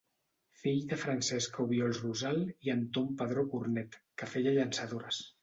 Fill de Francesca Obiols Rosal i Anton Padró Cornet, que feia llançadores.